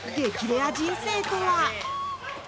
レア人生とは？